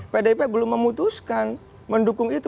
pdip belum memutuskan mendukung itu